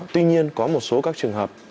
tuy nhiên có một số các trường hợp